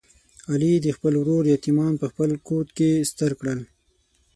علي د خپل ورور یتیمان په خپل کوت کې ستر کړل.